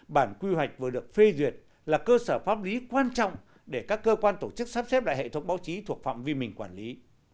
bản quy hoạch vừa được phê duyệt là cơ sở pháp lý quan trọng để các cơ quan tổ chức sắp xếp lại hệ thống báo chí thuộc phạm vi mình quản lý